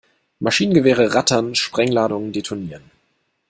Maschinengewehre rattern, Sprengladungen detonieren.